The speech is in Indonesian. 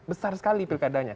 besar sekali pilkadanya